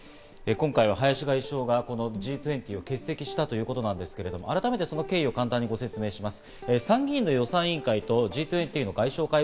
今回は林外相がＧ２０を欠席したということなんですけど、改めて、その経緯を簡単にご説明します。